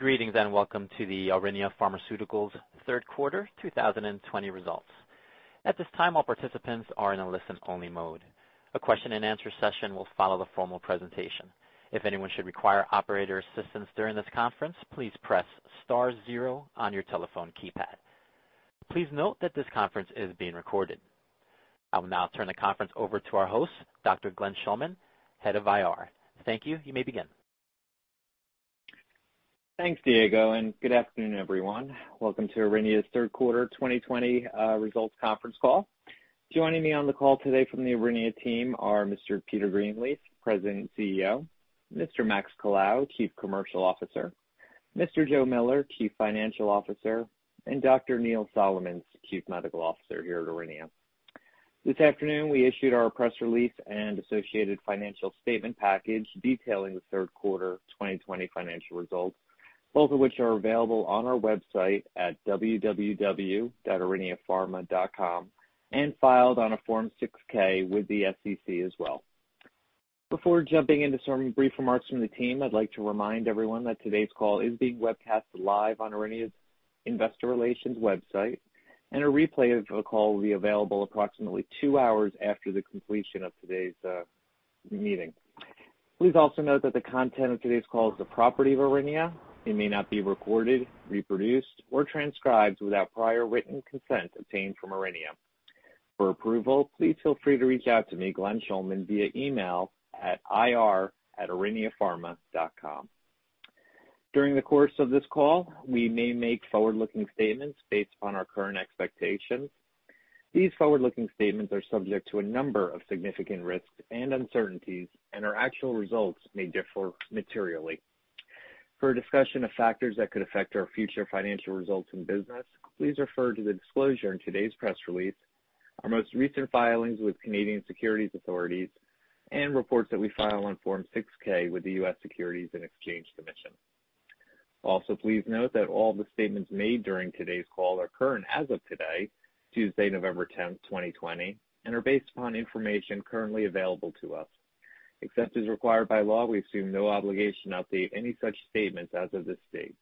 Greetings, and welcome to the Aurinia Pharmaceuticals third quarter 2020 results. This kind of participance on only listen mode, the question in this discussion will follow in the form of presentation. If anyone should require operator assistance during this conference please press star zero on your telephone keypad. Please know that this conference has been recorded. I will now turn the conference over to our host, Dr. Glenn Schulman, head of IR. Thank you. You may begin. Thanks, Diego. Good afternoon, everyone. Welcome to Aurinia's third quarter 2020 results conference call. Joining me on the call today from the Aurinia team are Mr. Peter Greenleaf, President, CEO; Mr. Max Colao, Chief Commercial Officer; Mr. Joe Miller, Chief Financial Officer; and Dr. Neil Solomons, Chief Medical Officer here at Aurinia. This afternoon, we issued our press release and associated financial statement package detailing the third quarter 2020 financial results, both of which are available on our website at www.auriniapharma.com and filed on a Form 6-K with the SEC as well. Before jumping into some brief remarks from the team, I'd like to remind everyone that today's call is being webcast live on Aurinia's investor relations website, and a replay of the call will be available approximately two hours after the completion of today's meeting. Please also note that the content of today's call is the property of Aurinia. It may not be recorded, reproduced, or transcribed without prior written consent obtained from Aurinia. For approval, please feel free to reach out to me, Glenn Schulman, via email at ir@auriniapharma.com. During the course of this call, we may make forward-looking statements based on our current expectations. These forward-looking statements are subject to a number of significant risks and uncertainties, and our actual results may differ materially. For a discussion of factors that could affect our future financial results and business, please refer to the disclosure in today's press release, our most recent filings with Canadian securities authorities, and reports that we file on Form 6-K with the U.S. Securities and Exchange Commission. Also, please note that all the statements made during today's call are current as of today, Tuesday, November 10, 2020, and are based upon information currently available to us. Except as required by law, we assume no obligation to update any such statements as of this date.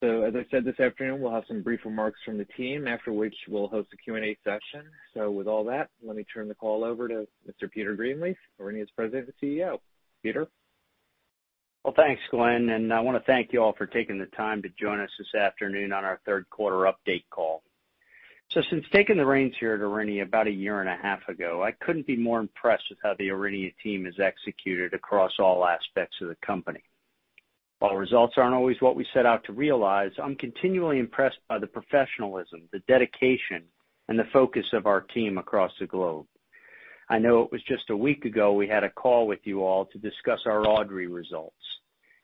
As I said, this afternoon, we'll have some brief remarks from the team, after which we'll host a Q&A session. With all that, let me turn the call over to Peter Greenleaf? Well, thanks, Glenn, and I want to thank you all for taking the time to join us this afternoon on our third quarter update call. Since taking the reins here at Aurinia about a year and a half ago, I couldn't be more impressed with how the Aurinia team has executed across all aspects of the company. While results aren't always what we set out to realize, I'm continually impressed by the professionalism, the dedication, and the focus of our team across the globe. I know it was just a week ago we had a call with you all to discuss our AUDREY results,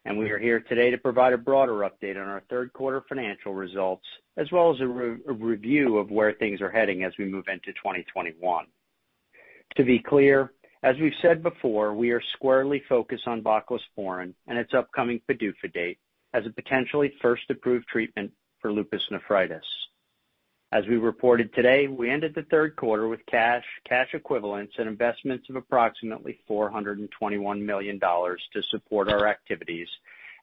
and we are here today to provide a broader update on our third quarter financial results, as well as a review of where things are heading as we move into 2021. To be clear, as we've said before, we are squarely focused on voclosporin and its upcoming PDUFA date as a potentially first approved treatment for lupus nephritis. As we reported today, we ended the third quarter with cash equivalents, and investments of approximately $421 million to support our activities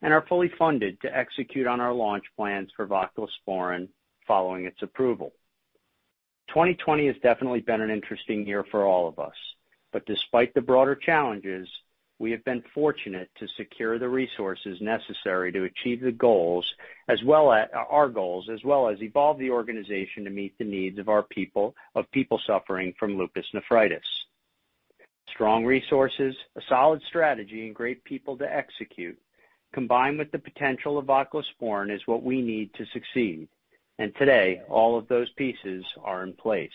and are fully funded to execute on our launch plans for voclosporin following its approval. 2020 has definitely been an interesting year for all of us, but despite the broader challenges, we have been fortunate to secure the resources necessary to achieve our goals, as well as evolve the organization to meet the needs of people suffering from lupus nephritis. Strong resources, a solid strategy, and great people to execute, combined with the potential of voclosporin, is what we need to succeed. Today, all of those pieces are in place.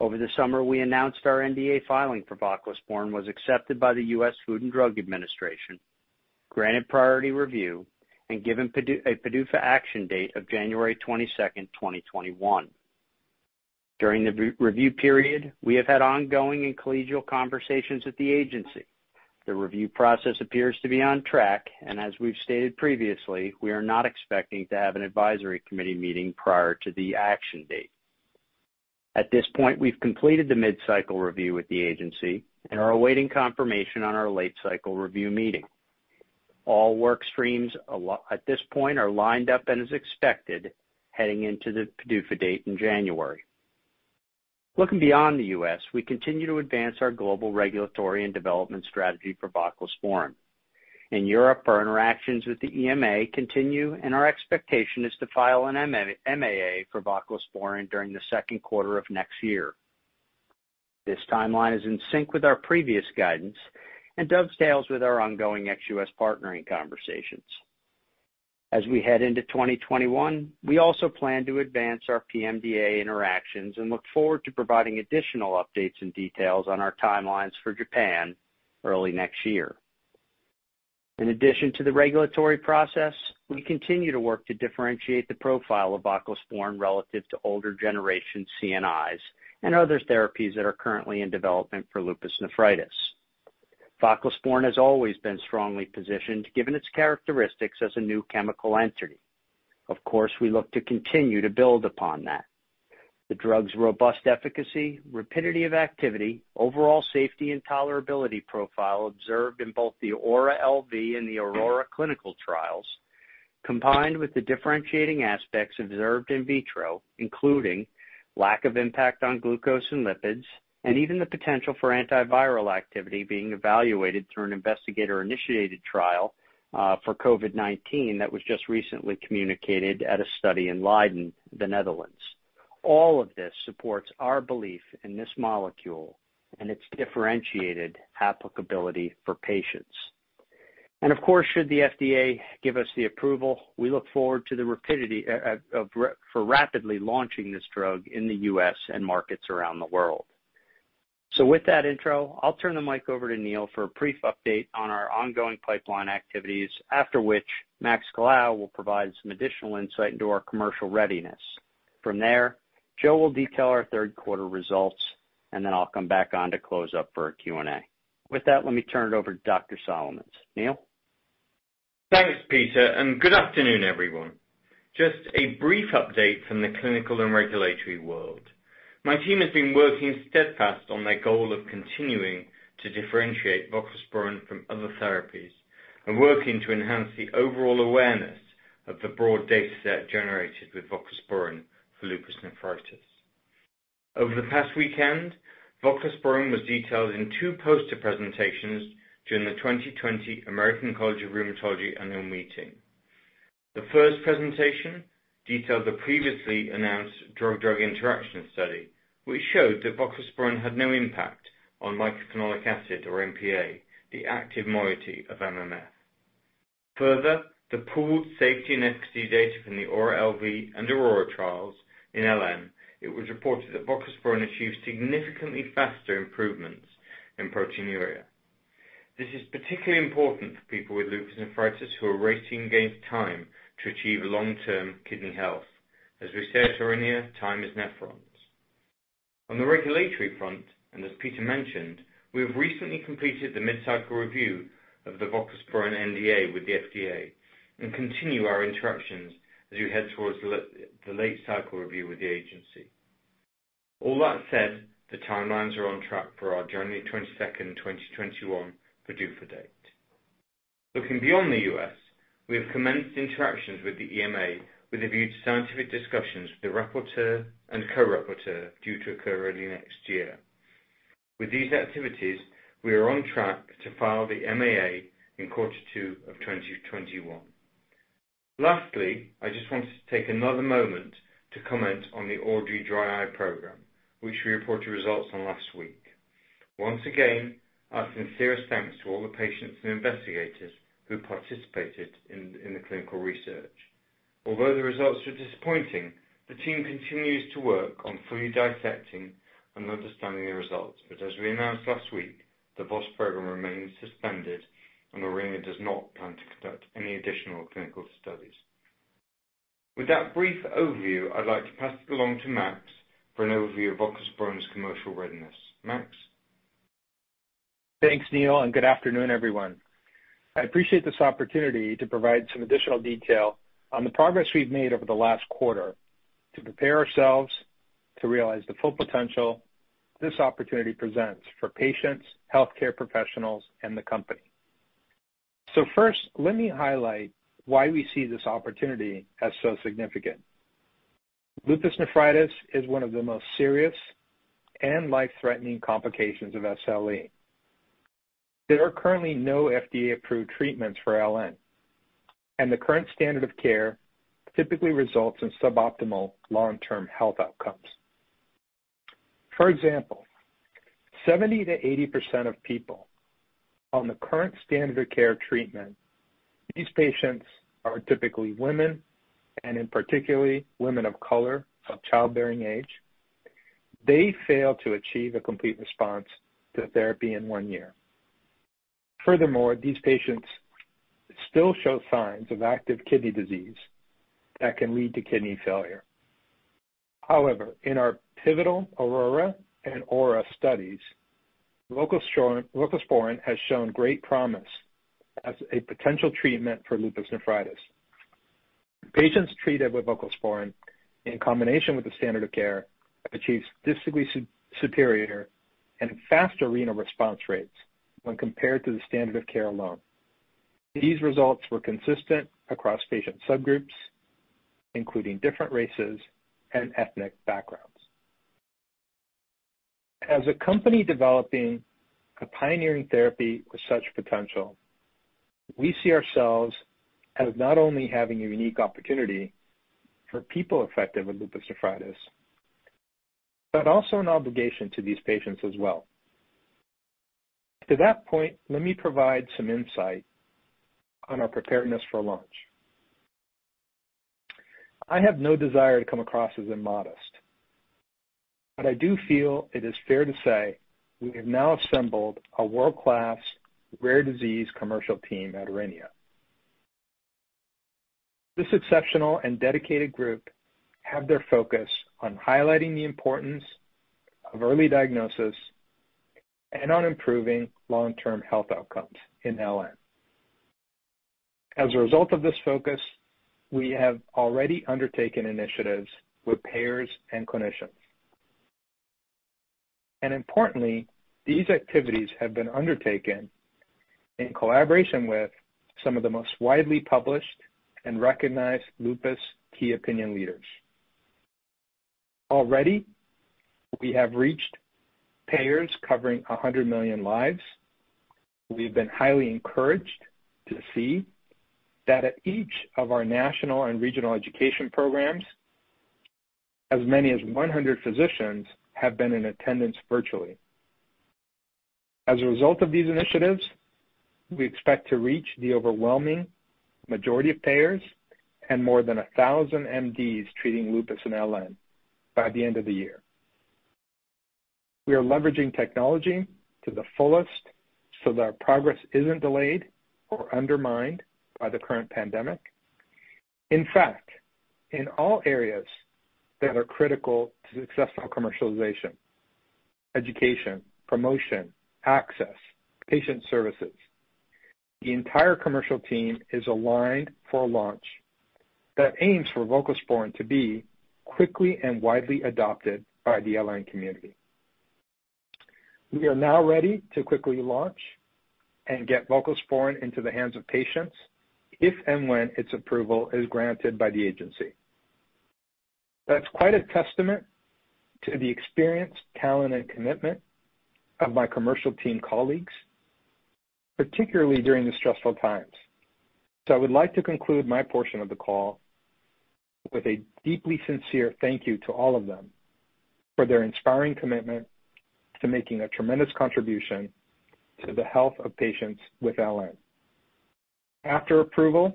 Over the summer, we announced our NDA filing for voclosporin was accepted by the U.S. Food and Drug Administration, granted priority review, and given a PDUFA action date of January 22nd, 2021. During the review period, we have had ongoing and collegial conversations with the agency. The review process appears to be on track, and as we've stated previously, we are not expecting to have an advisory committee meeting prior to the action date. At this point, we've completed the mid-cycle review with the agency and are awaiting confirmation on our late-cycle review meeting. All work streams at this point are lined up and as expected, heading into the PDUFA date in January. Looking beyond the U.S., we continue to advance our global regulatory and development strategy for voclosporin. In Europe, our interactions with the EMA continue, and our expectation is to file an MAA for voclosporin during the second quarter of next year. This timeline is in sync with our previous guidance and dovetails with our ongoing ex-U.S. partnering conversations. As we head into 2021, we also plan to advance our PMDA interactions and look forward to providing additional updates and details on our timelines for Japan early next year. In addition to the regulatory process, we continue to work to differentiate the profile of voclosporin relative to older generation CNIs and other therapies that are currently in development for lupus nephritis. Voclosporin has always been strongly positioned given its characteristics as a new chemical entity. Of course, we look to continue to build upon that. The drug's robust efficacy, rapidity of activity, overall safety and tolerability profile observed in both the AURA-LV and the AURORA clinical trials, combined with the differentiating aspects observed in vitro, including lack of impact on glucose and lipids, and even the potential for antiviral activity being evaluated through an investigator-initiated trial for COVID-19 that was just recently communicated at a study in Leiden, the Netherlands. All of this supports our belief in this molecule and its differentiated applicability for patients. Of course, should the FDA give us the approval, we look forward for rapidly launching this drug in the U.S. and markets around the world. With that intro, I'll turn the mic over to Neil for a brief update on our ongoing pipeline activities, after which Max Colao will provide some additional insight into our commercial readiness. From there, Joe will detail our third quarter results, and then I'll come back on to close up for a Q&A. With that, let me turn it over to Dr. Solomons. Neil? A brief update from the clinical and regulatory world. My team has been working steadfast on their goal of continuing to differentiate voclosporin from other therapies and working to enhance the overall awareness of the broad data set generated with voclosporin for lupus nephritis. Over the past weekend, voclosporin was detailed in two poster presentations during the 2020 American College of Rheumatology annual meeting. The first presentation detailed the previously announced drug-drug interaction study, which showed that voclosporin had no impact on mycophenolic acid, or MPA, the active moiety of MMF. The pooled safety and efficacy data from the AURA-LV and AURORA trials in LN, it was reported that voclosporin achieved significantly faster improvements in proteinuria. This is particularly important for people with lupus nephritis who are racing against time to achieve long-term kidney health. As we said at Aurinia, "Time is nephrons." On the regulatory front, as Peter mentioned, we have recently completed the mid-cycle review of the voclosporin NDA with the FDA and continue our interactions as we head towards the late cycle review with the agency. All that said, the timelines are on track for our January 22nd, 2021, PDUFA date. Looking beyond the U.S., we have commenced interactions with the EMA. We've reviewed scientific discussions with the rapporteur and co-rapporteur due to occur early next year. With these activities, we are on track to file the MAA in quarter two of 2021. I just wanted to take another moment to comment on the AUDREY dry eye program, which we reported results on last week. Once again, our sincerest thanks to all the patients and investigators who participated in the clinical research. Although the results were disappointing, the team continues to work on fully dissecting and understanding the results. As we announced last week, the VOS program remains suspended, and Aurinia does not plan to conduct any additional clinical studies. With that brief overview, I'd like to pass it along to Max for an overview of voclosporin's commercial readiness. Max? Thanks, Neil. Good afternoon, everyone. I appreciate this opportunity to provide some additional detail on the progress we've made over the last quarter to prepare ourselves to realize the full potential this opportunity presents for patients, healthcare professionals, and the company. First, let me highlight why we see this opportunity as so significant. Lupus nephritis is one of the most serious and life-threatening complications of SLE. There are currently no FDA-approved treatments for LN, and the current standard of care typically results in suboptimal long-term health outcomes. For example, 70%-80% of people on the current standard of care treatment, these patients are typically women, and in particular, women of color of childbearing age. They fail to achieve a complete response to therapy in one year. Furthermore, these patients still show signs of active kidney disease that can lead to kidney failure. However, in our pivotal AURORA and AURA studies, voclosporin has shown great promise as a potential treatment for lupus nephritis. Patients treated with voclosporin in combination with the standard of care achieved statistically superior and faster renal response rates when compared to the standard of care alone. These results were consistent across patient subgroups, including different races and ethnic backgrounds. As a company developing a pioneering therapy with such potential, we see ourselves as not only having a unique opportunity for people affected with lupus nephritis, but also an obligation to these patients as well. To that point, let me provide some insight on our preparedness for launch. I have no desire to come across as immodest, but I do feel it is fair to say we have now assembled a world-class rare disease commercial team at Aurinia. This exceptional and dedicated group have their focus on highlighting the importance of early diagnosis and on improving long-term health outcomes in LN as a result of this focus, we have already undertaken initiatives with payers and clinicians. Importantly, these activities have been undertaken in collaboration with some of the most widely published and recognized lupus key opinion leaders. Already, we have reached payers covering 100 million lives. We've been highly encouraged to see that at each of our national and regional education programs, as many as 100 physicians have been in attendance virtually. As a result of these initiatives, we expect to reach the overwhelming majority of payers and more than 1,000 MDs treating lupus and LN by the end of the year. We are leveraging technology to the fullest so that our progress isn't delayed or undermined by the current pandemic. In fact, in all areas that are critical to successful commercialization, education, promotion, access, patient services, the entire commercial team is aligned for a launch that aims for voclosporin to be quickly and widely adopted by the LN community. We are now ready to quickly launch and get voclosporin into the hands of patients if and when its approval is granted by the agency. That's quite a testament to the experience, talent, and commitment of my commercial team colleagues, particularly during these stressful times. I would like to conclude my portion of the call with a deeply sincere thank you to all of them for their inspiring commitment to making a tremendous contribution to the health of patients with LN. After approval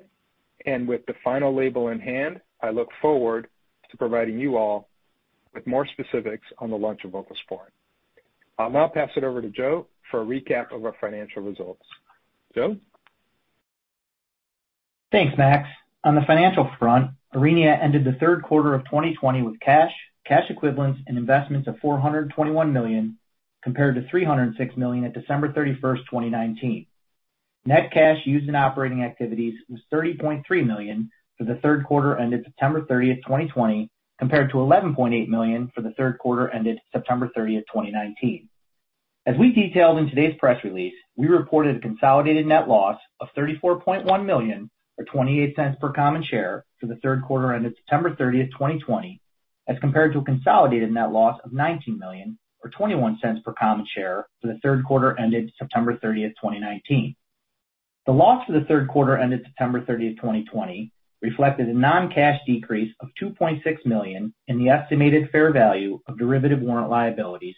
and with the final label in hand, I look forward to providing you all with more specifics on the launch of voclosporin. I'll now pass it over to Joe for a recap of our financial results. Joe? Thanks, Max. On the financial front, Aurinia ended the third quarter of 2020 with cash equivalents, and investments of $421 million, compared to $306 million at December 31st, 2019. Net cash used in operating activities was $30.3 million for the third quarter ended September 30th, 2020, compared to $11.8 million for the third quarter ended September 30th, 2019. As we detailed in today's press release, we reported a consolidated net loss of $34.1 million, or $0.28 per common share, for the third quarter ended September 30th, 2020, as compared to a consolidated net loss of $19 million, or $0.21 per common share, for the third quarter ended September 30th, 2019. The loss for the third quarter ended September 30th, 2020, reflected a non-cash decrease of $2.6 million in the estimated fair value of derivative warrant liabilities,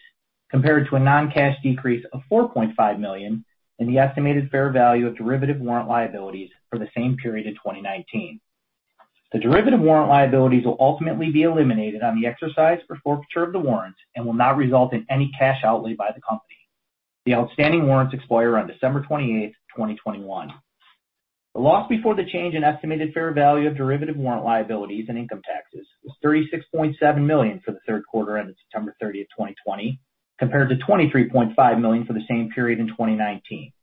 compared to a non-cash decrease of $4.5 million in the estimated fair value of derivative warrant liabilities for the same period in 2019. The derivative warrant liabilities will ultimately be eliminated on the exercise or forfeiture of the warrants and will not result in any cash outlay by the company. The outstanding warrants expire on December 28th, 2021. The loss before the change in estimated fair value of derivative warrant liabilities and income taxes was$36.7 million for the third quarter ended September 30th, 2020, compared to$23.5 million for the same period in 2019.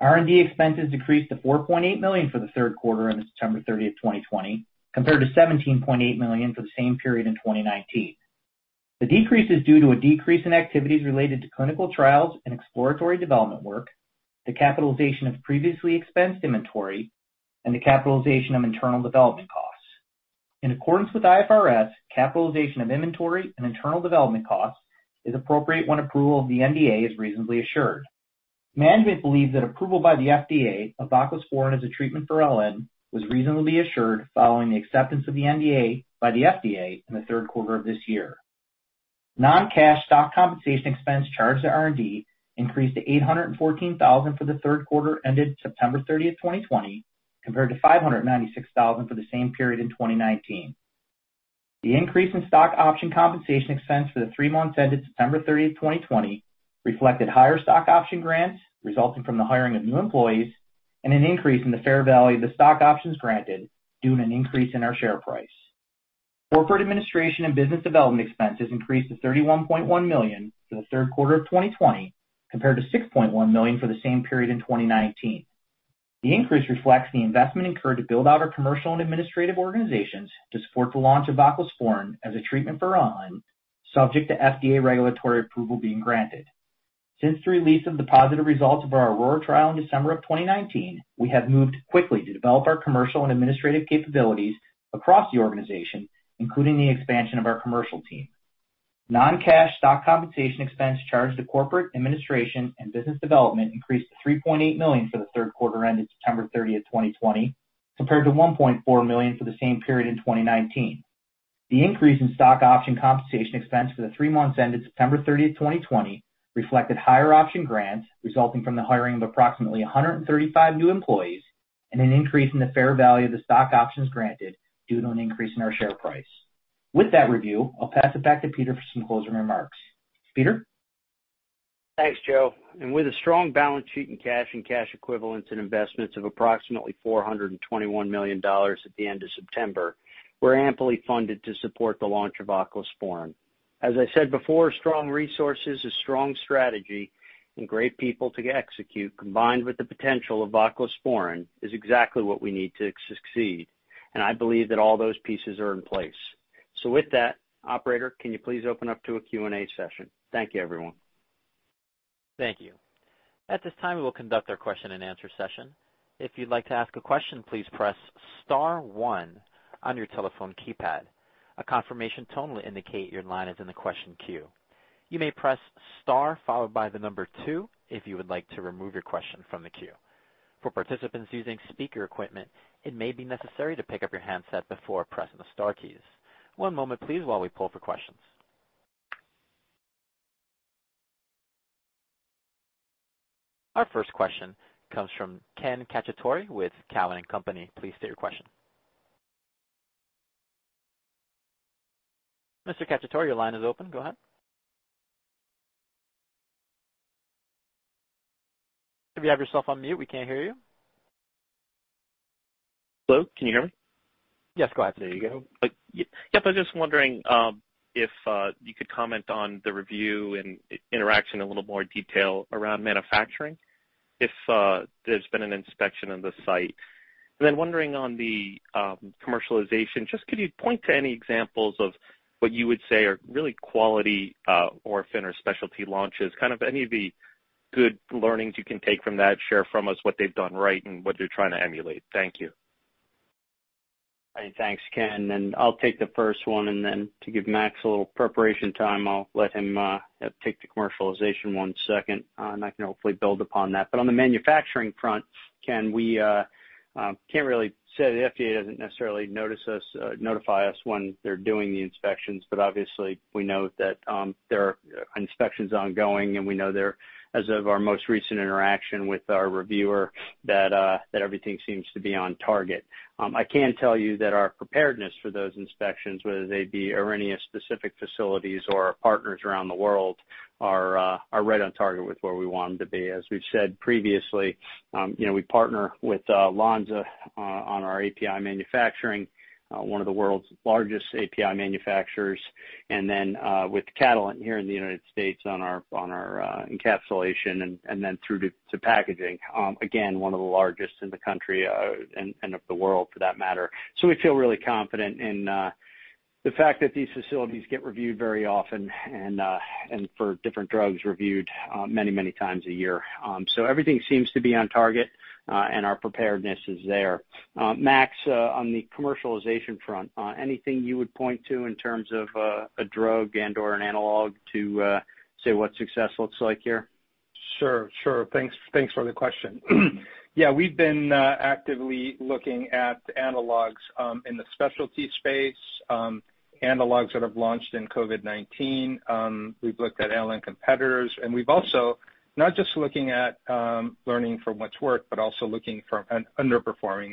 R&D expenses decreased to $4.8 million for the third quarter ended September 30th, 2020, compared to$17.8 million for the same period in 2019. The decrease is due to a decrease in activities related to clinical trials and exploratory development work, the capitalization of previously expensed inventory, and the capitalization of internal development costs. In accordance with IFRS, capitalization of inventory and internal development costs is appropriate when approval of the NDA is reasonably assured. Management believes that approval by the FDA of voclosporin as a treatment for LN was reasonably assured following the acceptance of the NDA by the FDA in the third quarter of this year. Non-cash stock compensation expense charged to R&D increased to 814,000 for the third quarter ended September 30th, 2020, compared to 596,000 for the same period in 2019. The increase in stock option compensation expense for the three months ended September 30, 2020, reflected higher stock option grants resulting from the hiring of new employees and an increase in the fair value of the stock options granted due to an increase in our share price. Corporate administration and business development expenses increased to$31.1 million for the third quarter of 2020, compared to $ 6.1 million for the same period in 2019. The increase reflects the investment incurred to build out our commercial and administrative organizations to support the launch of voclosporin as a treatment for LN, subject to FDA regulatory approval being granted. Since the release of the positive results of our AURORA trial in December 2019, we have moved quickly to develop our commercial and administrative capabilities across the organization, including the expansion of our commercial team. Non-cash stock compensation expense charged to corporate administration and business development increased to $ 3.8 million for the third quarter ended September 30th, 2020, compared to $1.4 million for the same period in 2019. The increase in stock option compensation expense for the three months ended September 30th, 2020, reflected higher option grants resulting from the hiring of approximately 135 new employees and an increase in the fair value of the stock options granted due to an increase in our share price. With that review, I'll pass it back to Peter for some closing remarks. Peter? Thanks, Joe. With a strong balance sheet in cash and cash equivalents and investments of approximately $421 million at the end of September, we're amply funded to support the launch of voclosporin. As I said before, strong resources, a strong strategy, and great people to execute, combined with the potential of voclosporin, is exactly what we need to succeed, and I believe that all those pieces are in place. With that, operator, can you please open up to a Q&A session? Thank you, everyone. Thank you. Our first question comes from Ken Cacciatore with Cowen and Company. Please state your question. Mr. Cacciatore, your line is open. Go ahead. You have yourself on mute. We can't hear you. Hello, can you hear me? Yes, go ahead. There you go. Yep. I was just wondering if you could comment on the review and interaction in a little more detail around manufacturing, if there's been an inspection on the site? Wondering on the commercialization, just could you point to any examples of what you would say are really quality orphan or specialty launches? Kind of any of the good learnings you can take from that, share from us what they've done right and what you're trying to emulate? Thank you. Thanks, Ken. I'll take the first one, then to give Max a little preparation time, I'll let him take the commercialization one second, and I can hopefully build upon that. On the manufacturing front, Ken, we can't really say. The FDA doesn't necessarily notify us when they're doing the inspections. Obviously, we know that there are inspections ongoing, and we know, as of our most recent interaction with our reviewer, that everything seems to be on target. I can tell you that our preparedness for those inspections, whether they be Aurinia specific facilities or our partners around the world, are right on target with where we want them to be. As we've said previously, we partner with Lonza on our API manufacturing, one of the world's largest API manufacturers, and then with Catalent here in the U.S. on our encapsulation and then through to packaging, again, one of the largest in the country and of the world for that matter. We feel really confident in the fact that these facilities get reviewed very often and for different drugs reviewed many times a year. Everything seems to be on target, and our preparedness is there. Max, on the commercialization front, anything you would point to in terms of a drug and/or an analog to say what success looks like here? Sure. Thanks for the question. Yeah, we've been actively looking at analogs in the specialty space, analogs that have launched in COVID-19. We've looked at LN competitors, and we've also not just looking at learning from what's worked, but also looking from an underperforming.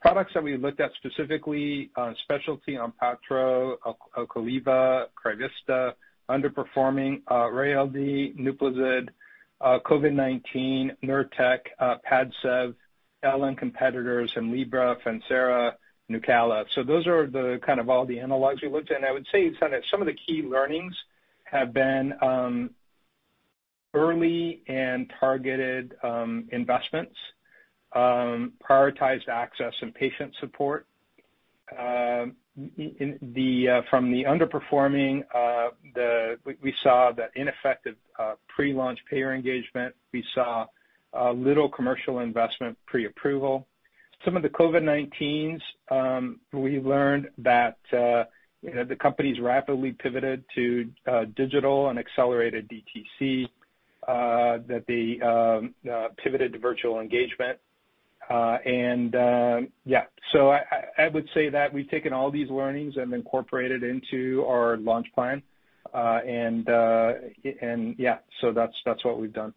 Products that we looked at specifically, specialty ONPATTRO, Ocaliva, CRYSVITA. Underperforming, Rayaldee, NUPLAZID. COVID-19, Nurtec, PADCEV. LN competitors, Benlysta, Fasenra, NUCALA. Those are kind of all the analogs we looked at. I would say some of the key learnings have been early and targeted investments, prioritized access, and patient support. From the underperforming, we saw the ineffective pre-launch payer engagement. We saw little commercial investment pre-approval. Some of the COVID-19s, we learned that the companies rapidly pivoted to digital and accelerated DTC, that they pivoted to virtual engagement. Yeah. I would say that we've taken all these learnings and incorporated into our launch plan. Yeah, that's what we've done.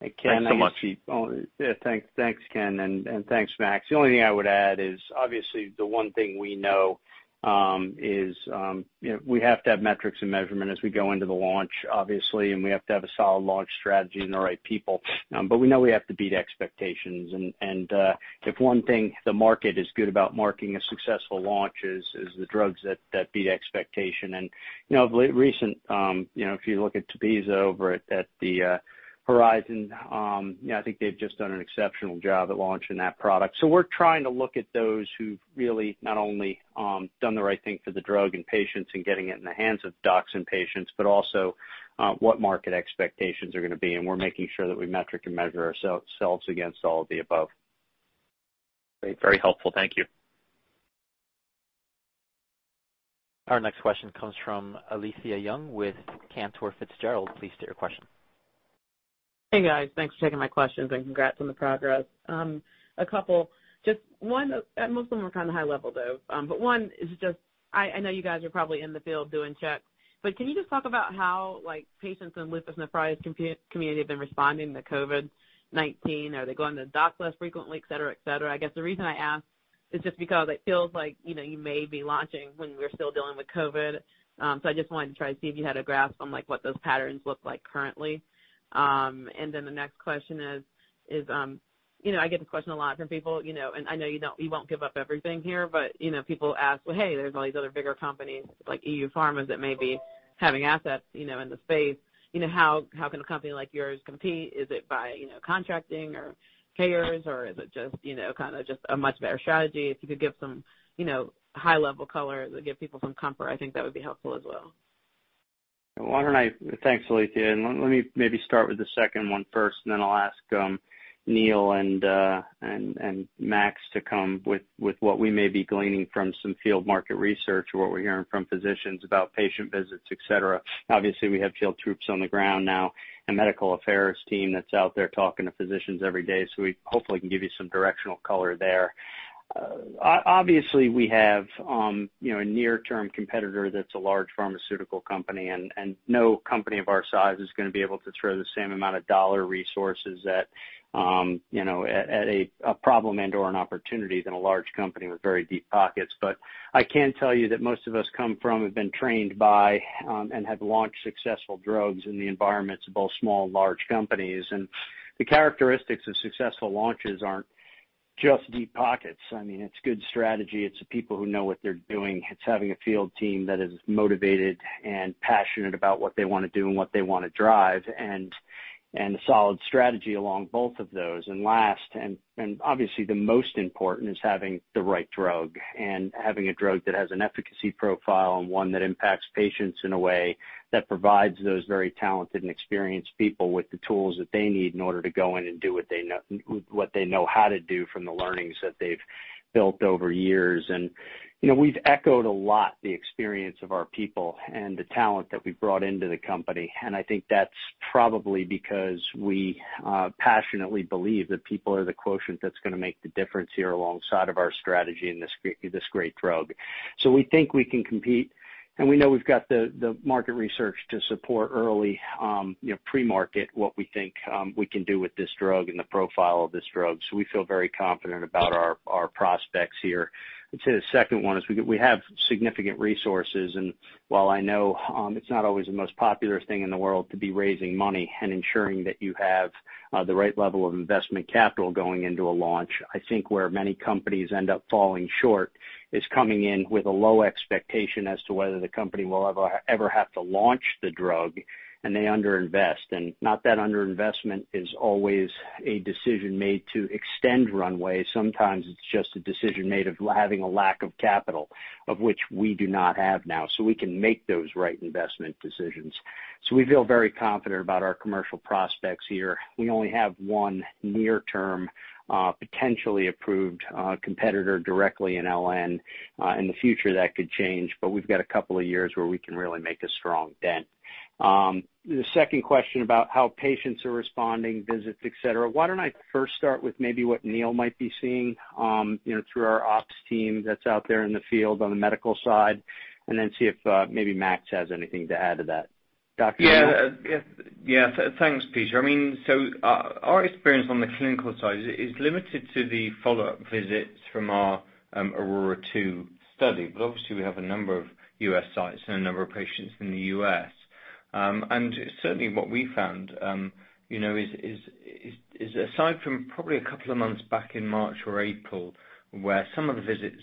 Thanks so much. Thanks, Ken. Thanks, Max. The only thing I would add is obviously the one thing we know is we have to have metrics and measurement as we go into the launch, obviously, and we have to have a solid launch strategy and the right people. We know we have to beat expectations. If one thing the market is good about marking a successful launch is the drugs that beat expectation. Of late, recent, if you look at TEPEZZA over at the Horizon, I think they've just done an exceptional job at launching that product. We're trying to look at those who've really not only done the right thing for the drug and patients and getting it in the hands of docs and patients, but also what market expectations are going to be, and we're making sure that we metric and measure ourselves against all of the above. Very helpful. Thank you. Our next question comes from Alethia Young with Cantor Fitzgerald. Please state your question. Hey, guys. Thanks for taking my questions and congrats on the progress. A couple. Most of them are kind of high level, though. One is just, I know you guys are probably in the field doing checks, but can you just talk about how patients in lupus nephritis community have been responding to COVID-19? Are they going to the docs less frequently, et cetera? I guess the reason I ask. It's just because it feels like you may be launching when we're still dealing with COVID-19. I just wanted to try to see if you had a grasp on what those patterns look like currently. The next question is, I get this question a lot from people, and I know you won't give up everything here, but people ask, well, hey, there's all these other bigger companies like EU Pharmas that may be having assets in the space. How can a company like yours compete? Is it by contracting or payers, or is it just a much better strategy? If you could give some high level color that would give people some comfort, I think that would be helpful as well. Thanks, Alethia. Let me maybe start with the second one first, then I'll ask Neil and Max to come with what we may be gleaning from some field market research or what we're hearing from physicians about patient visits, et cetera. Obviously, we have field troops on the ground now, a medical affairs team that's out there talking to physicians every day, so we hopefully can give you some directional color there. Obviously, we have a near-term competitor that's a large pharmaceutical company, and no company of our size is going to be able to throw the same amount of dollar resources at a problem and/or an opportunity than a large company with very deep pockets. I can tell you that most of us come from, have been trained by, and have launched successful drugs in the environments of both small and large companies. The characteristics of successful launches aren't just deep pockets. I mean, it's good strategy. It's the people who know what they're doing. It's having a field team that is motivated and passionate about what they want to do and what they want to drive, and a solid strategy along both of those. Last, and obviously the most important, is having the right drug, and having a drug that has an efficacy profile and one that impacts patients in a way that provides those very talented and experienced people with the tools that they need in order to go in and do what they know how to do from the learnings that they've built over years. We've echoed a lot the experience of our people and the talent that we've brought into the company. I think that's probably because we passionately believe that people are the quotient that's going to make the difference here alongside of our strategy and this great drug. We think we can compete, and we know we've got the market research to support early pre-market, what we think we can do with this drug and the profile of this drug. We feel very confident about our prospects here. I'd say the second one is we have significant resources, and while I know it's not always the most popular thing in the world to be raising money and ensuring that you have the right level of investment capital going into a launch. I think where many companies end up falling short is coming in with a low expectation as to whether the company will ever have to launch the drug, and they under-invest. Not that under-investment is always a decision made to extend runway. Sometimes it's just a decision made of having a lack of capital, of which we do not have now, so we can make those right investment decisions. We feel very confident about our commercial prospects here. We only have one near-term, potentially approved competitor directly in LN. In the future, that could change, but we've got a couple of years where we can really make a strong dent. The second question about how patients are responding, visits, et cetera. Why don't I first start with maybe what Neil might be seeing through our ops team that's out there in the field on the medical side, and then see if maybe Max has anything to add to that. Dr. Neil. Yeah. Thanks, Peter. I mean, our experience on the clinical side is limited to the follow-up visits from our AURORA 2 study, obviously we have a number of U.S. sites and a numer of patients in the U.S. Certainly what we found is aside from probably a couple of months back in March or April where some of the visits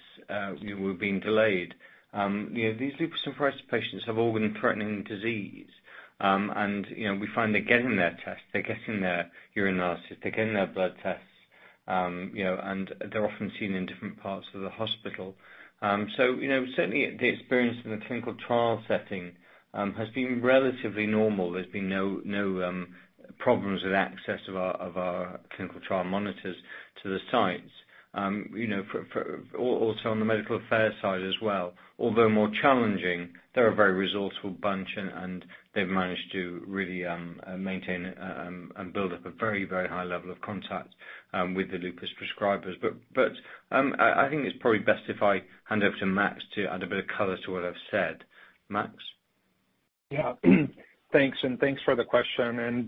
were being delayed. These lupus nephritis patients have organ-threatening disease. We find they're getting their tests, they're getting their urine analysis, they're getting their blood tests, and they're often seen in different parts of the hospital. Certainly the experience in the clinical trial setting has been relatively normal. There's been no problems with access of our clinical trial monitors to the sites. On the medical affairs side as well, although more challenging, they're a very resourceful bunch, and they've managed to really maintain and build up a very high level of contact with the lupus prescribers. I think it's probably best if I hand over to Max to add a bit of color to what I've said. Max. Yeah. Thanks, thanks for the question.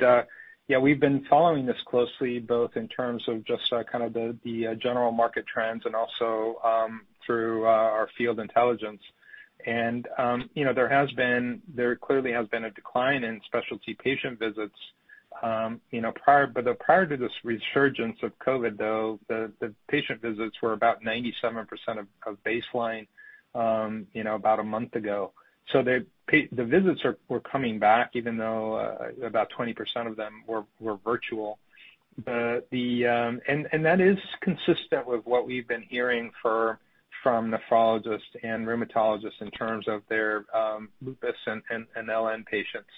Yeah, we've been following this closely, both in terms of just the general market trends and also through our field intelligence. There clearly has been a decline in specialty patient visits. Prior to this resurgence of COVID, though, the patient visits were about 97% of baseline about a month ago. The visits were coming back, even though about 20% of them were virtual. That is consistent with what we've been hearing from nephrologists and rheumatologists in terms of their lupus and LN patients.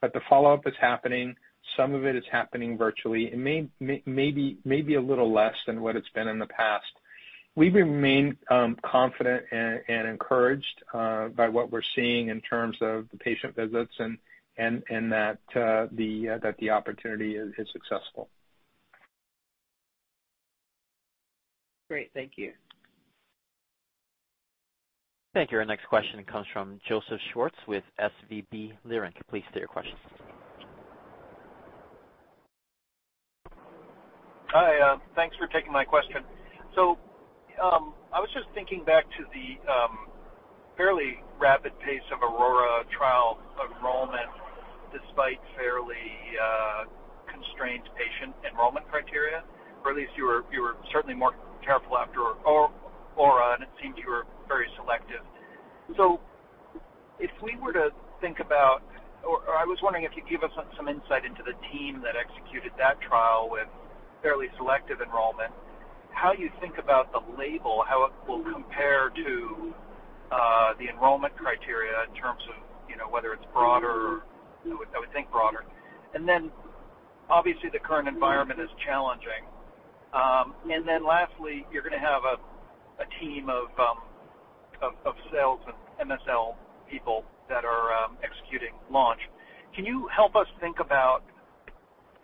The follow-up is happening. Some of it is happening virtually. It may be a little less than what it's been in the past. We remain confident and encouraged by what we're seeing in terms of the patient visits and that the opportunity is successful. Great. Thank you. Thank you. Our next question comes from Joseph Schwartz with SVB Leerink. Please state your question. Hi. Thanks for taking my question. I was just thinking back to the fairly rapid pace of AURORA trial enrollment, despite fairly constrained patient enrollment criteria. Or at least you were certainly more careful after AURA, and it seemed you were very selective. I was wondering if you could give us some insight into the team that executed that trial with fairly selective enrollment, how you think about the label, how it will compare to the enrollment criteria in terms of whether it's broader, I would think broader. Obviously the current environment is challenging. Lastly, you're going to have a team of sales and MSL people that are executing launch. Can you help us think about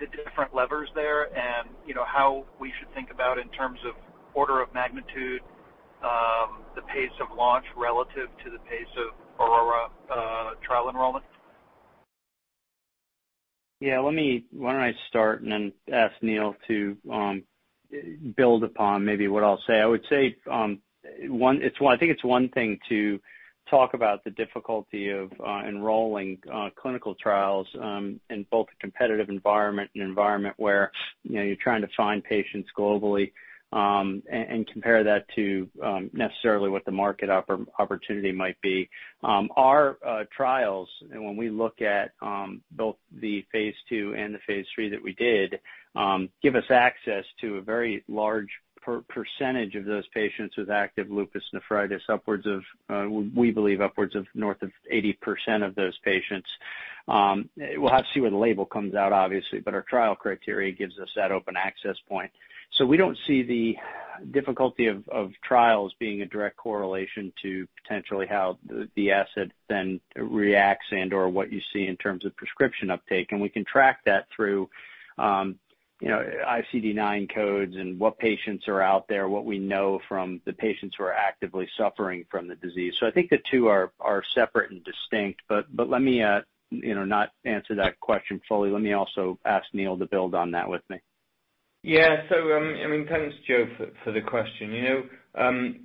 the different levers there and how we should think about in terms of order of magnitude, the pace of launch relative to the pace of AURORA trial enrollment? Yeah. Why don't I start and then ask Neil to build upon maybe what I'll say. I would say, I think it's one thing to talk about the difficulty of enrolling clinical trials, in both a competitive environment, an environment where you're trying to find patients globally, and compare that to necessarily what the market opportunity might be. Our trials, when we look at both the phase II and the phase III that we did, give us access to a very large percentage of those patients with active lupus nephritis, we believe upwards of north of 80% of those patients. We'll have to see where the label comes out, obviously. Our trial criteria gives us that open access point. We don't see the difficulty of trials being a direct correlation to potentially how the asset then reacts and/or what you see in terms of prescription uptake. We can track that through ICD-9 codes and what patients are out there, what we know from the patients who are actively suffering from the disease. I think the two are separate and distinct. Let me not answer that question fully. Let me also ask Neil to build on that with me. Thanks, Joseph, for the question.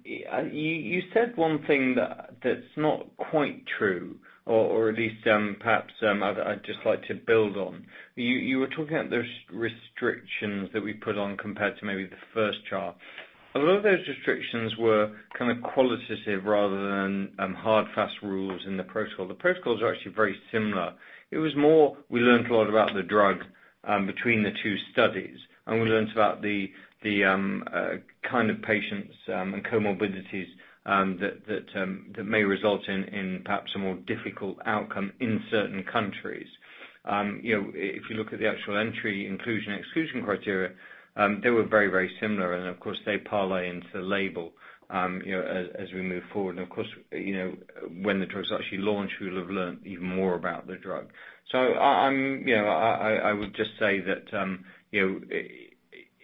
You said one thing that's not quite true, or at least perhaps I'd just like to build on. You were talking about those restrictions that we put on compared to maybe the first trial. A lot of those restrictions were kind of qualitative rather than hard fast rules in the protocol. The protocols are actually very similar. It was more, we learned a lot about the drug between the two studies, and we learned about the kind of patients and comorbidities that may result in perhaps a more difficult outcome in certain countries. If you look at the actual entry inclusion, exclusion criteria, they were very similar, and of course they parlay into the label as we move forward. Of course, when the drugs actually launch, we'll have learned even more about the drug. I would just say that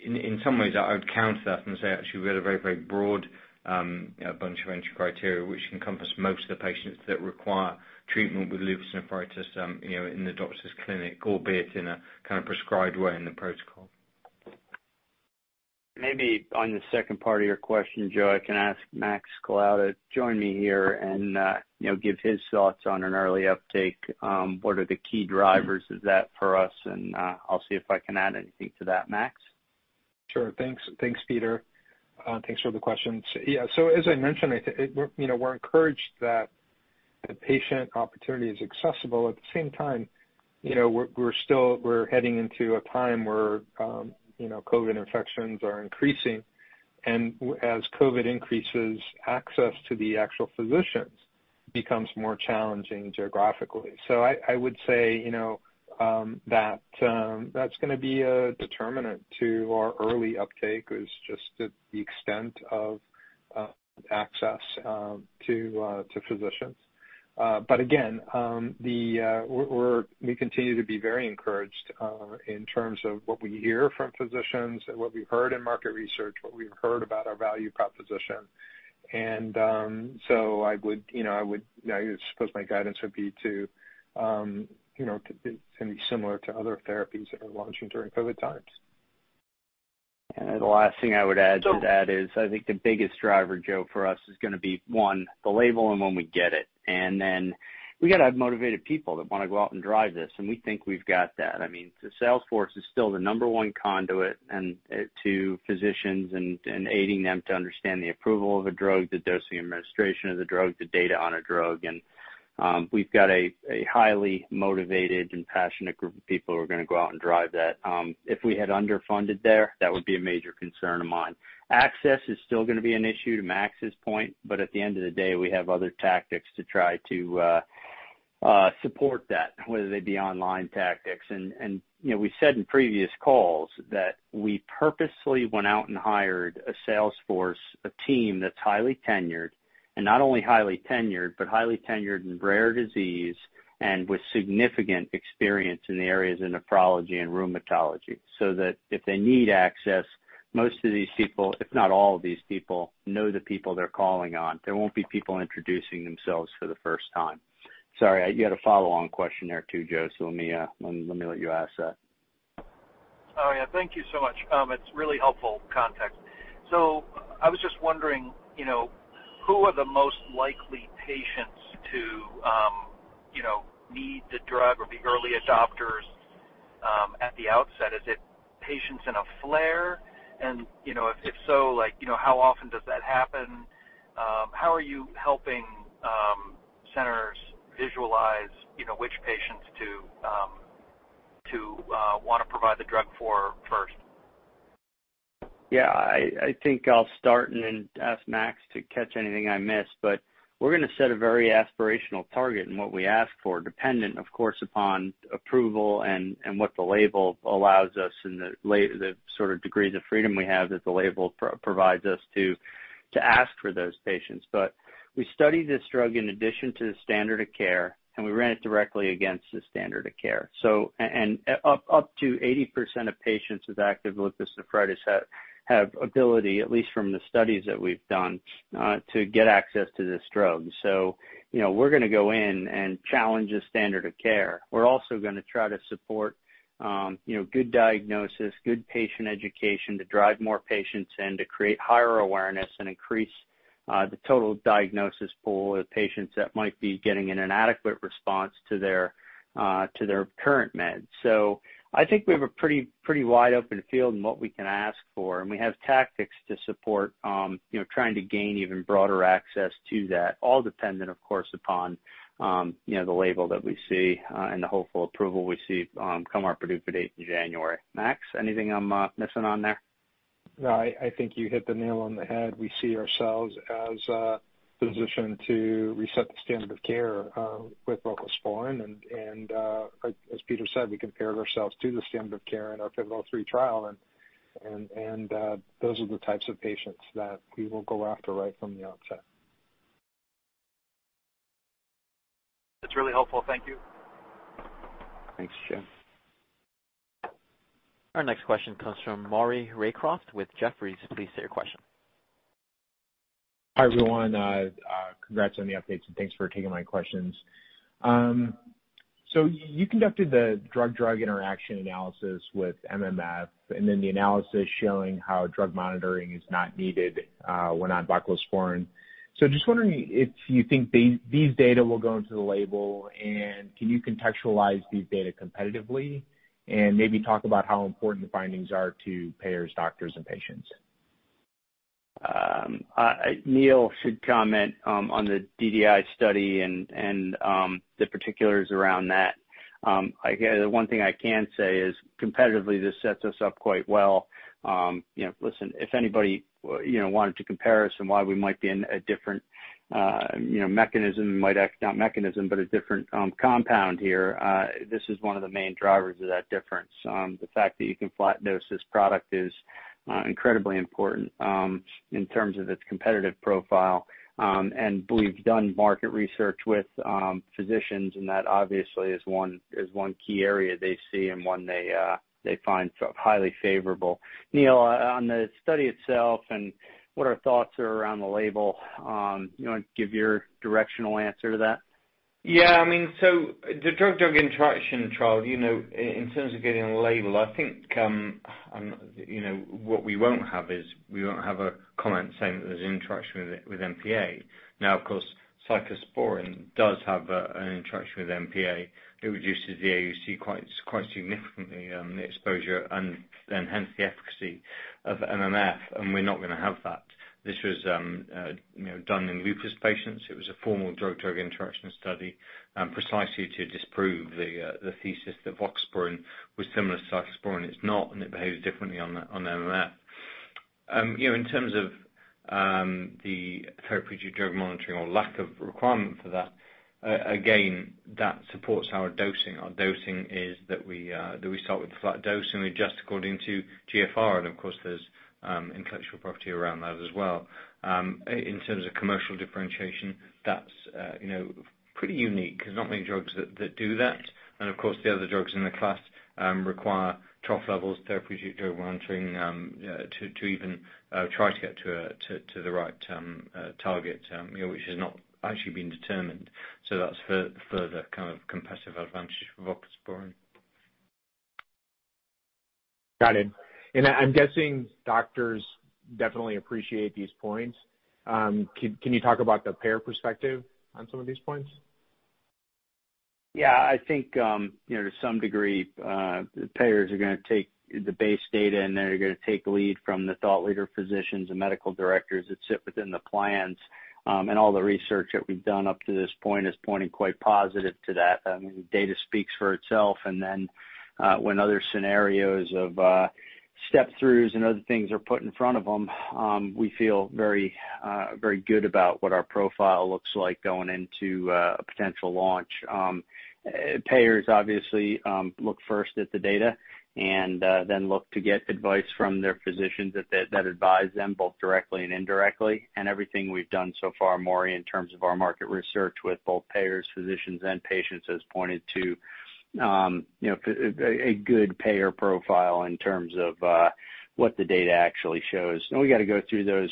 in some ways I would counter that and say actually we had a very broad bunch of entry criteria which encompass most of the patients that require treatment with lupus nephritis in the doctor's clinic, albeit in a kind of prescribed way in the protocol. Maybe on the second part of your question, Joseph, I can ask Max Colao to join me here and give his thoughts on an early uptake. What are the key drivers of that for us? I'll see if I can add anything to that. Max. Sure. Thanks, Peter. Thanks for the questions. Yeah. As I mentioned, we're encouraged that the patient opportunity is accessible. At the same time, we're heading into a time where COVID-19 infections are increasing, and as COVID-19 increases, access to the actual physicians becomes more challenging geographically. I would say that's going to be a determinant to our early uptake, is just the extent of access to physicians. Again, we continue to be very encouraged, in terms of what we hear from physicians and what we've heard in market research, what we've heard about our value proposition. I suppose my guidance would be to be similar to other therapies that are launching during COVID-19 times. The last thing I would add to that is, I think the biggest driver, Joseph, for us is going to be, one, the label and when we get it. Then we got to have motivated people that want to go out and drive this, and we think we've got that. I mean, the sales force is still the number one conduit to physicians and aiding them to understand the approval of a drug, the dosing and administration of the drug, the data on a drug. We've got a highly motivated and passionate group of people who are going to go out and drive that. If we had underfunded there, that would be a major concern of mine. Access is still going to be an issue, to Max's point. At the end of the day, we have other tactics to try to support that, whether they be online tactics. We said in previous calls that we purposely went out and hired a sales force, a team that's highly tenured. Not only highly tenured, highly tenured in rare disease and with significant experience in the areas of nephrology and rheumatology, so that if they need access. Most of these people, if not all of these people, know the people they're calling on. There won't be people introducing themselves for the first time. Sorry, you had a follow-on question there too, Joseph. Let me let you ask that. Yeah. Thank you so much. It's really helpful context. I was just wondering, who are the most likely patients to need the drug or be early adopters at the outset? Is it patients in a flare? If so, how often does that happen? How are you helping centers visualize which patients to want to provide the drug for first? I think I'll start and then ask Max to catch anything I miss, but we're going to set a very aspirational target in what we ask for, dependent, of course, upon approval and what the label allows us and the sort of degrees of freedom we have that the label provides us to ask for those patients. We studied this drug in addition to the standard of care, and we ran it directly against the standard of care. Up to 80% of patients with active lupus nephritis have ability, at least from the studies that we've done, to get access to this drug. We're going to go in and challenge the standard of care. We're also going to try to support good diagnosis, good patient education to drive more patients in, to create higher awareness and increase the total diagnosis pool of patients that might be getting an inadequate response to their current meds. I think we have a pretty wide-open field in what we can ask for, and we have tactics to support trying to gain even broader access to that, all dependent, of course, upon the label that we see and the hopeful approval we see come our PDUFA date in January. Max, anything I'm missing on there? I think you hit the nail on the head. We see ourselves as a position to reset the standard of care with voclosporin and, as Peter said, we compared ourselves to the standard of care in our pivotal Phase III trial, and those are the types of patients that we will go after right from the outset. That's really helpful. Thank you. Thanks, Joseph. Our next question comes from Maury Raycroft with Jefferies. Please state your question. Hi, everyone. Congrats on the updates and thanks for taking my questions. You conducted the drug-drug interaction analysis with MMF, and then the analysis showing how drug monitoring is not needed when on voclosporin. Just wondering if you think these data will go into the label, and can you contextualize these data competitively and maybe talk about how important the findings are to payers, doctors, and patients? Neil should comment on the DDI study and the particulars around that. I guess the one thing I can say is competitively, this sets us up quite well. Listen, if anybody wanted to compare us and why we might be in a different mechanism, not mechanism, but a different compound here, this is one of the main drivers of that difference. The fact that you can flat dose this product is incredibly important in terms of its competitive profile. We've done market research with physicians, and that obviously is one key area they see and one they find highly favorable. Neil, on the study itself and what our thoughts are around the label, you want to give your directional answer to that? Yeah. The drug-drug interaction trial, in terms of getting a label, I think what we won't have is we won't have a comment saying that there's interaction with MPA. Now, of course, cyclosporine does have an interaction with MPA. It reduces the AUC quite significantly, the exposure, and hence the efficacy of MMF, and we're not going to have that. This was done in lupus patients. It was a formal drug-drug interaction study precisely to disprove the thesis that voclosporin was similar to cyclosporine. It's not. It behaves differently on the MMF. In terms of the therapeutic drug monitoring or lack of requirement for that, again, that supports our dosing. Our dosing is that we start with the flat dose, and we adjust according to GFR, and of course, there's intellectual property around that as well. In terms of commercial differentiation, that's pretty unique. There's not many drugs that do that. Of course, the other drugs in the class require trough levels, therapeutic drug monitoring to even try to get to the right target which has not actually been determined. That's a further kind of competitive advantage for voclosporin. Got it. I'm guessing doctors definitely appreciate these points. Can you talk about the payer perspective on some of these points? Yeah. I think to some degree, payers are going to take the base data in there. They're going to take lead from the thought leader physicians and medical directors that sit within the plans. All the research that we've done up to this point is pointing quite positive to that. The data speaks for itself. When other scenarios of step-throughs and other things are put in front of them, we feel very good about what our profile looks like going into a potential launch. Payers obviously look first at the data and then look to get advice from their physicians that advise them both directly and indirectly. Everything we've done so far, Maury, in terms of our market research with both payers, physicians, and patients has pointed to a good payer profile in terms of what the data actually shows. We've got to go through those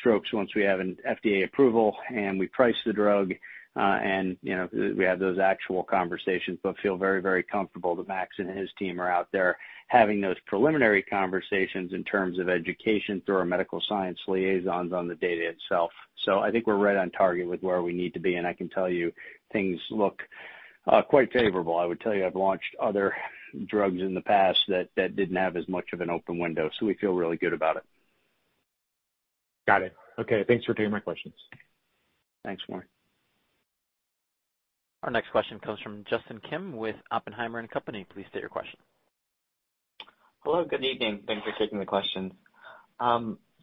strokes once we have an FDA approval and we price the drug, and we have those actual conversations, but feel very, very comfortable that Max and his team are out there having those preliminary conversations in terms of education through our medical science liaisons on the data itself. I think we're right on target with where we need to be, and I can tell you things look quite favorable. I would tell you I've launched other drugs in the past that didn't have as much of an open window, so we feel really good about it. Got it. Okay, thanks for taking my questions. Thanks, Maury. Our next question comes from Justin Kim with Oppenheimer. Please state your question. Hello, good evening. Thanks for taking the questions.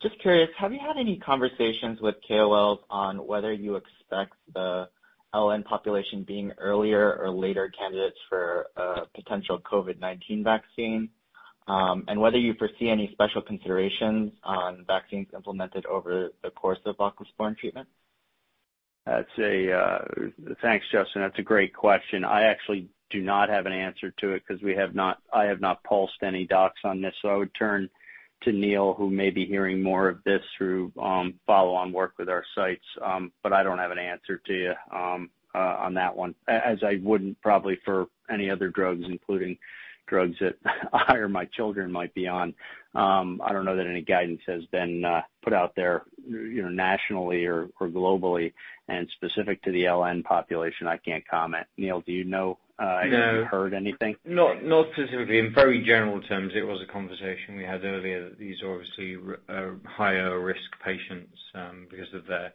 Just curious, have you had any conversations with KOLs on whether you expect the LN population being earlier or later candidates for a potential COVID-19 vaccine, and whether you foresee any special considerations on vaccines implemented over the course of voclosporin treatment? Thanks, Justin. That's a great question. I actually do not have an answer to it because I have not pulsed any docs on this. I would turn to Neil, who may be hearing more of this through follow-on work with our sites. I don't have an answer to you on that one, as I wouldn't probably for any other drugs, including drugs that I or my children might be on. I don't know that any guidance has been put out there nationally or globally and specific to the LN population, I can't comment. Neil, do you know? No if you've heard anything? Not specifically. In very general terms, it was a conversation we had earlier that these are obviously higher risk patients because of their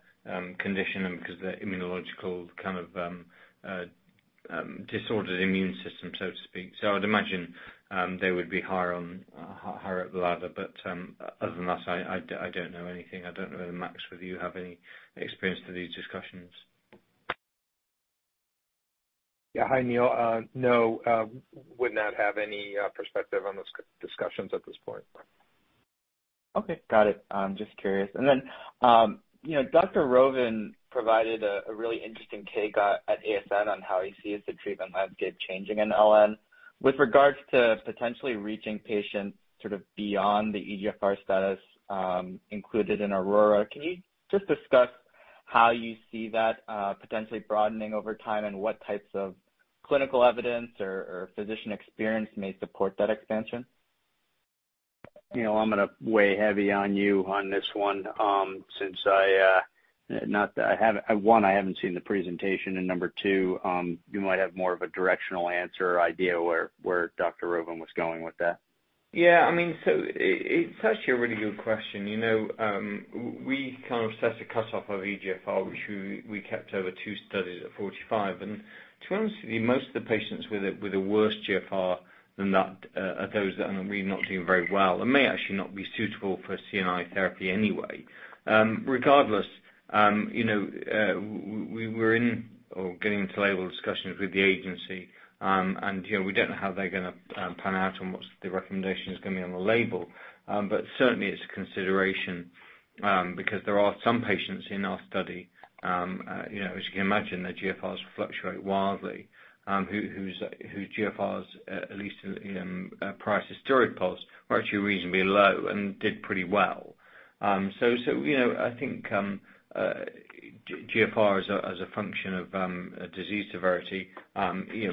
condition and because their immunological kind of disordered immune system, so to speak. So I would imagine they would be higher up the ladder. But other than that, I don't know anything. I don't know, Max, whether you have any experience to these discussions. Yeah. Hi, Neil. No, would not have any perspective on those discussions at this point. Okay. Got it. Just curious. Dr. Rovin provided a really interesting take at ASN on how he sees the treatment landscape changing in LN. With regards to potentially reaching patients sort of beyond the eGFR status included in AURORA, can you just discuss how you see that potentially broadening over time, and what types of clinical evidence or physician experience may support that expansion? Neil, I'm going to weigh heavy on you on this one since I, one, I haven't seen the presentation, number two, you might have more of a directional answer or idea where Brad Rovin was going with that. Yeah. It's actually a really good question. We kind of set a cutoff of eGFR, which we kept over two studies at 45. To be honest with you, most of the patients with a worse GFR than that are those that are really not doing very well and may actually not be suitable for CNI therapy anyway. Regardless, we were in or getting into label discussions with the agency, and we don't know how they're going to pan out on what the recommendation is going to be on the label. Certainly, it's a consideration because there are some patients in our study, as you can imagine, their GFRs fluctuate wildly, whose GFRs, at least prior to steroid pulse, were actually reasonably low and did pretty well. I think GFR as a function of disease severity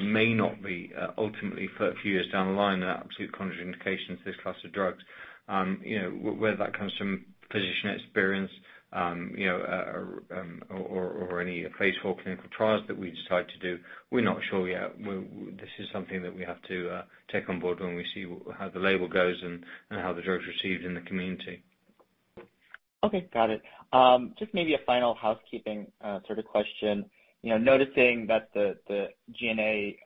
may not be ultimately for a few years down the line an absolute contraindication to this class of drugs. Whether that comes from physician experience or any phase IV clinical trials that we decide to do, we're not sure yet. This is something that we have to take on board when we see how the label goes and how the drug's received in the community. Okay, got it. Just maybe a final housekeeping sort of question. Noticing that the SG&A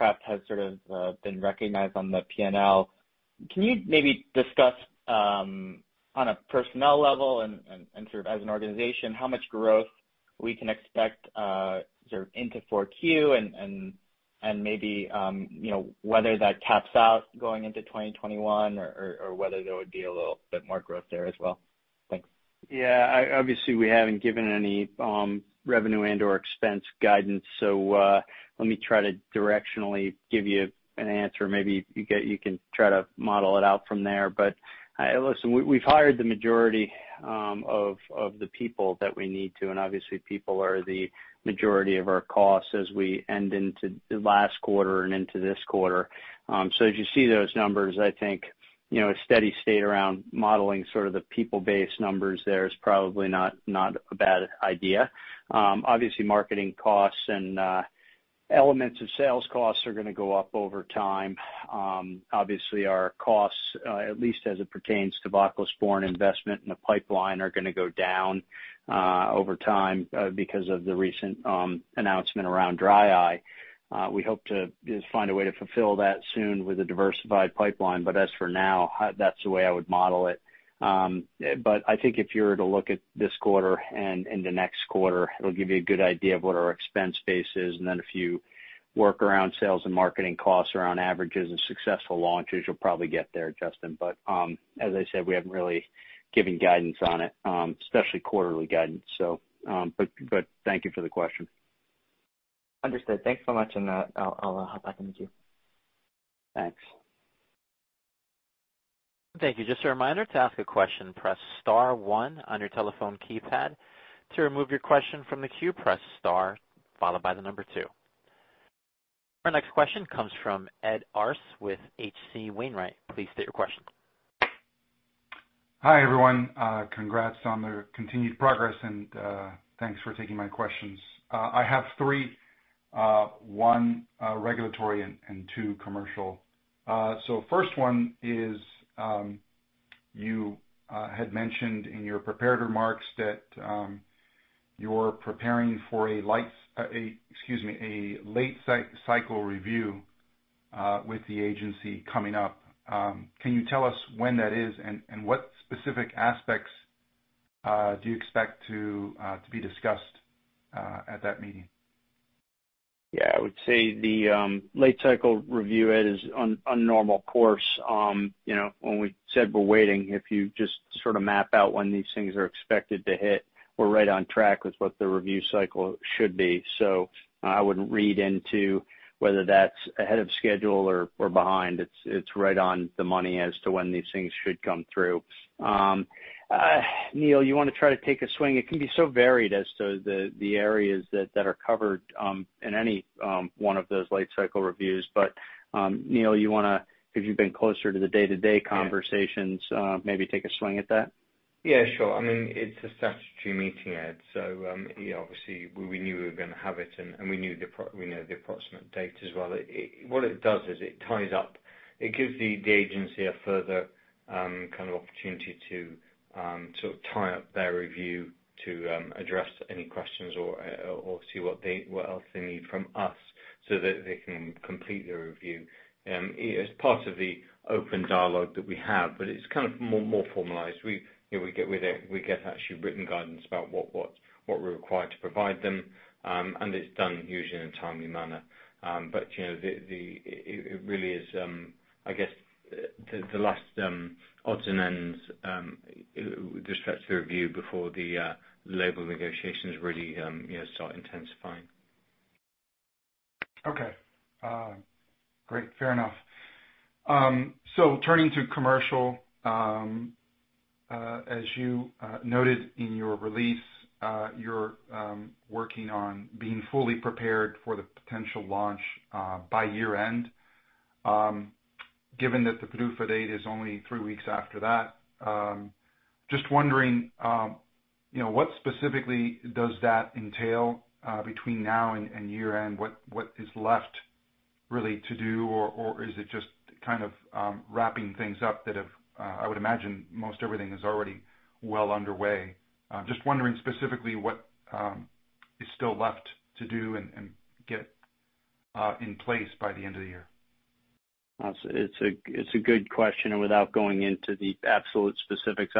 ramp has sort of been recognized on the P&L. Can you maybe discuss on a personnel level and sort of as an organization, how much growth we can expect sort of into 4Q and maybe whether that taps out going into 2021 or whether there would be a little bit more growth there as well? Thanks. Yeah. We haven't given any revenue and/or expense guidance, let me try to directionally give you an answer. Maybe you can try to model it out from there. Listen, we've hired the majority of the people that we need to, and people are the majority of our costs as we end into the last quarter and into this quarter. As you see those numbers, I think a steady state around modeling sort of the people-based numbers there is probably not a bad idea. Marketing costs and elements of sales costs are going to go up over time. Our costs, at least as it pertains to voclosporin investment in the pipeline, are going to go down over time because of the recent announcement around dry eye. We hope to find a way to fulfill that soon with a diversified pipeline, but as for now, that's the way I would model it. I think if you were to look at this quarter and the next quarter, it'll give you a good idea of what our expense base is. If you work around sales and marketing costs around averages and successful launches, you'll probably get there, Justin. As I said, we haven't really given guidance on it, especially quarterly guidance. Thank you for the question. Understood. Thanks so much. I'll hop back in the queue. Thanks. Thank you. Just a reminder, to ask a question, press star one on your telephone keypad. To remove your question from the queue, press star followed by the number two. Our next question comes from Ed Arce with H.C. Wainwright. Please state your question. Hi, everyone. Congrats on the continued progress. Thanks for taking my questions. I have three. One regulatory, two commercial. First one is, you had mentioned in your prepared remarks that you're preparing for a late cycle review with the Agency coming up. Can you tell us when that is and what specific aspects do you expect to be discussed at that meeting? Yeah. I would say the late cycle review, Ed, is on a normal course. When we said we're waiting, if you just sort of map out when these things are expected to hit, we're right on track with what the review cycle should be. I wouldn't read into whether that's ahead of schedule or behind. It's right on the money as to when these things should come through. Neil, you want to try to take a swing? It can be so varied as to the areas that are covered in any one of those late cycle reviews. Neil, you want to, because you've been closer to the day-to-day conversations, maybe take a swing at that? Yeah, sure. It's a statutory meeting, Ed, obviously, we knew we were going to have it and we knew the approximate date as well. What it does is it ties up. It gives the agency a further kind of opportunity to tie up their review to address any questions or see what else they need from us so that they can complete their review. It's part of the open dialogue that we have, it's kind of more formalized. We get actually written guidance about what we're required to provide them, it's done usually in a timely manner. It really is, I guess, the last odds and ends with the stretch of review before the label negotiations really start intensifying. Okay. Great. Fair enough. Turning to commercial. As you noted in your release, you're working on being fully prepared for the potential launch by year-end. Given that the PDUFA date is only three weeks after that, just wondering, what specifically does that entail between now and year-end? What is left really to do, or is it just kind of wrapping things up? I would imagine most everything is already well underway. Just wondering specifically what is still left to do and get in place by the end of the year. It's a good question. Without going into the absolute specifics,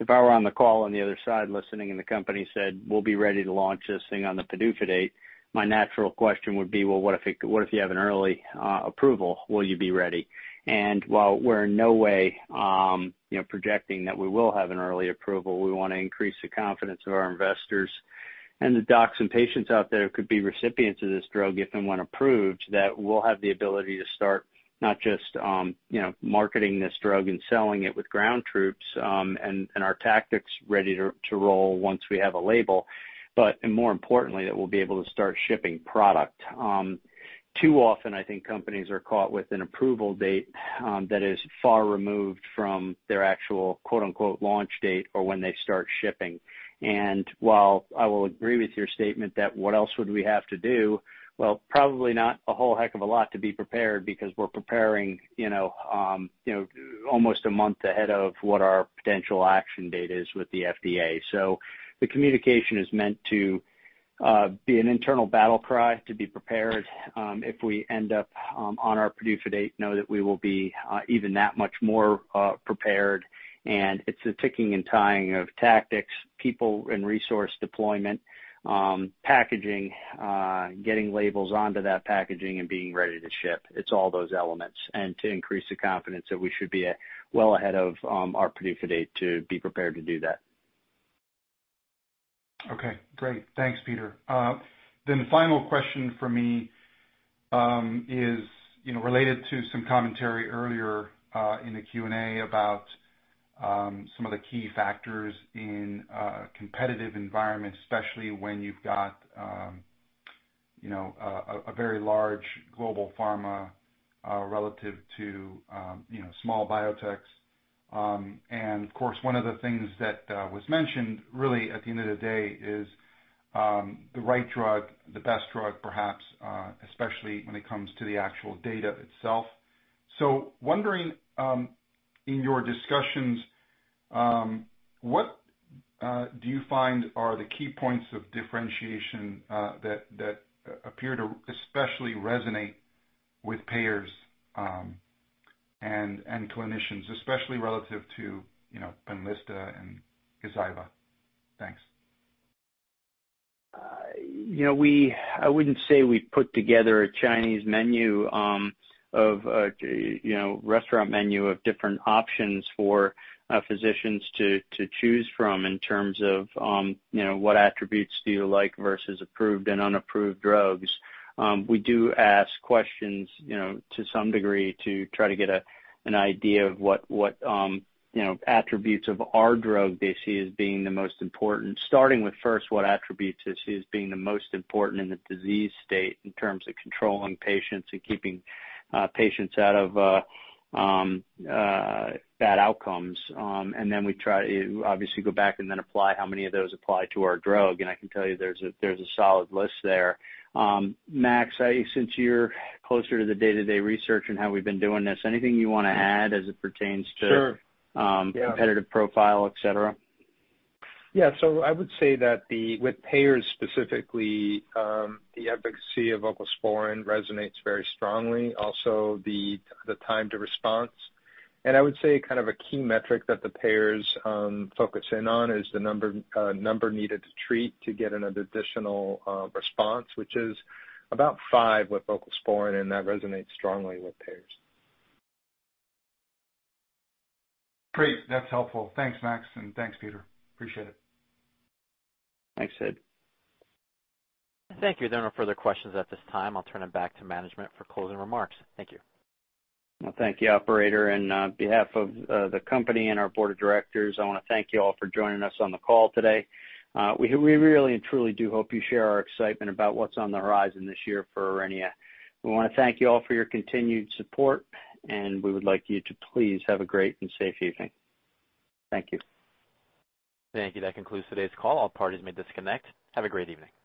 if I were on the call on the other side listening and the company said, "We'll be ready to launch this thing on the PDUFA date," my natural question would be, "Well, what if you have an early approval? Will you be ready?" While we're in no way projecting that we will have an early approval, we want to increase the confidence of our investors and the docs and patients out there who could be recipients of this drug if and when approved, that we'll have the ability to start not just marketing this drug and selling it with ground troops and our tactics ready to roll once we have a label, but, and more importantly, that we'll be able to start shipping product. Too often, I think companies are caught with an approval date that is far removed from their actual "launch date" or when they start shipping. While I will agree with your statement that what else would we have to do, well, probably not a whole heck of a lot to be prepared because we're preparing almost a month ahead of what our potential action date is with the FDA. The communication is meant to be an internal battle cry to be prepared. If we end up on our PDUFA date, know that we will be even that much more prepared. It's the ticking and tying of tactics, people, and resource deployment, packaging, getting labels onto that packaging, and being ready to ship. It's all those elements, and to increase the confidence that we should be well ahead of our PDUFA date to be prepared to do that. Okay, great. Thanks, Peter. The final question from me is related to some commentary earlier in the Q&A about some of the key factors in a competitive environment, especially when you've got a very large global pharma relative to small biotechs. Of course, one of the things that was mentioned really at the end of the day is the right drug, the best drug perhaps, especially when it comes to the actual data itself. Wondering, in your discussions, what do you find are the key points of differentiation that appear to especially resonate with payers and clinicians, especially relative to Benlysta and Gazyva? Thanks. I wouldn't say we put together a Chinese menu of a restaurant menu of different options for physicians to choose from in terms of what attributes do you like versus approved and unapproved drugs. We do ask questions to some degree to try to get an idea of what attributes of our drug they see as being the most important, starting with first what attributes they see as being the most important in the disease state in terms of controlling patients and keeping patients out of bad outcomes. We try to obviously go back and then apply how many of those apply to our drug, and I can tell you there's a solid list there. Max, since you're closer to the day-to-day research and how we've been doing this, anything you want to add as it pertains to- Sure. Yeah. competitive profile, et cetera? I would say that with payers specifically, the efficacy of voclosporin resonates very strongly, also the time to response. I would say kind of a key metric that the payers focus in on is the number needed to treat to get an additional response, which is about five with voclosporin, and that resonates strongly with payers. Great. That's helpful. Thanks, Max, and thanks, Peter. Appreciate it. Thanks, Ed. Thank you. There are no further questions at this time. I'll turn it back to management for closing remarks. Thank you. Well, thank you, operator. On behalf of the company and our board of directors, I want to thank you all for joining us on the call today. We really and truly do hope you share our excitement about what's on the horizon this year for Aurinia. We want to thank you all for your continued support, and we would like you to please have a great and safe evening. Thank you. Thank you. That concludes today's call. All parties may disconnect. Have a great evening.